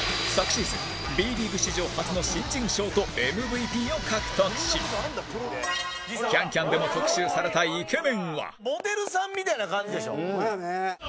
昨シーズン、Ｂリーグ史上初の新人賞とＭＶＰを獲得し『ＣａｎＣａｍ』でも特集されたイケメンは井上：モデルさんみたいな感じでしょ！